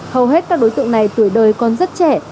hầu hết các đối tượng này tuổi đời còn rất trẻ